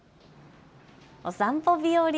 お散歩日和。